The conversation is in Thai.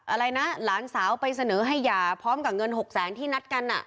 อะไรนะหลานสาวไปเสนอให้หย่าพร้อมกับเงิน๖แสนที่นัดกัน